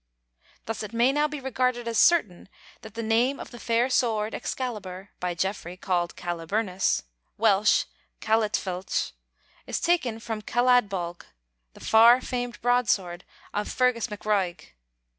Thus it may now be regarded as certain that the name of the "fair sword" Excalibur, by Geoffrey called Caliburnus (Welsh caletfwlch), is taken from Caladbolg, the far famed broadsword of Fergus macRoig.